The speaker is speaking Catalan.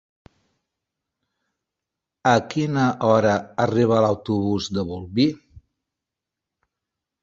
A quina hora arriba l'autobús de Bolvir?